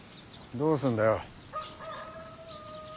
どうすんだよ。